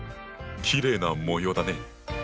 きれいな模様だね。